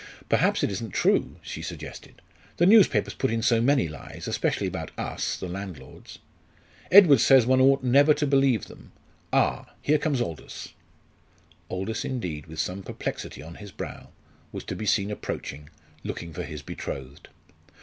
"Perhaps it isn't true," she suggested. "The newspapers put in so many lies, especially about us the landlords. Edward says one ought never to believe them. Ah, here comes Aldous." Aldous, indeed, with some perplexity on his brow, was to be seen approaching, looking for his betrothed.